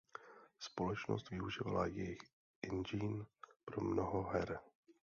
Společnost využívala jejich engine pro mnoho her.